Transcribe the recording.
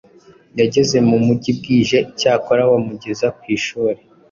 yageze mu mujyi bwije icyakora bamugeza ku ishuri.